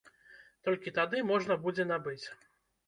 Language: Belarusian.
Толькі тады можна будзе набыць.